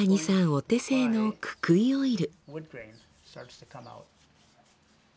お手製のククイオイル。